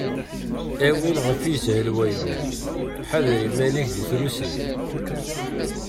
A win ɣef yeshel walluy, ḥader iman-ik di trusi!